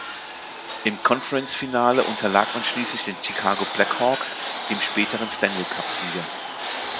Im Conference Finale unterlag man schließlich den Chicago Blackhawks, dem späteren Stanley Cup Sieger.